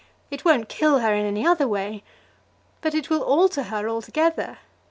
It won't kill her in any other way. But it will alter her altogether.